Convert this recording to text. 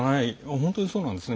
本当にそうなんですね。